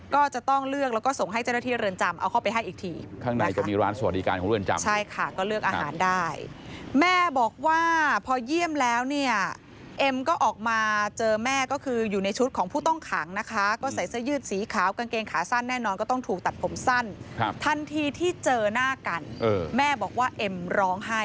ก็จะต้องเลือกแล้วก็ส่งให้เจ้าหน้าที่เรือนจำเอาเข้าไปให้อีกทีข้างในจะมีร้านสวัสดิการของเรือนจำใช่ค่ะก็เลือกอาหารได้แม่บอกว่าพอเยี่ยมแล้วเนี่ยเอ็มก็ออกมาเจอแม่ก็คืออยู่ในชุดของผู้ต้องขังนะคะก็ใส่เสื้อยืดสีขาวกางเกงขาสั้นแน่นอนก็ต้องถูกตัดผมสั้นทันทีที่เจอหน้ากันแม่บอกว่าเอ็มร้องไห้